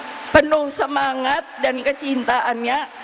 yang dengan penuh semangat dan kecintaannya